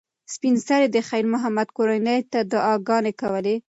سپین سرې د خیر محمد کورنۍ ته دعاګانې کولې.